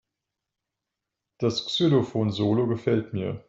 Das Xylophon-Solo gefällt mir.